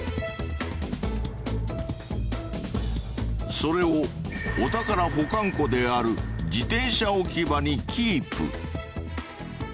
それをお宝保管庫である自転車置き場にキープ。